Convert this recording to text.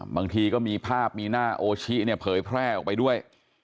บางทีก็มีภาพมีหน้าโอชิเนี่ยเผยแพร่ออกไปด้วย